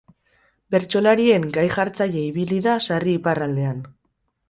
Bertsolarien gai-jartzaile ibili da sarri iparraldean.